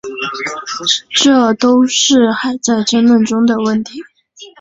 这都是还在争论中的问题。